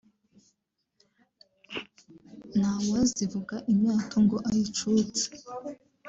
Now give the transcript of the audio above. nta wazivuga imyato ngo ayicutse